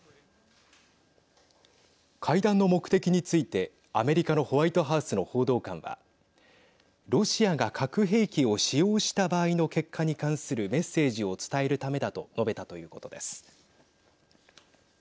会談の目的について、アメリカのホワイトハウスの報道官はロシアが核兵器を使用した場合の結果に関するメッセージを伝えるためだと述べたということです。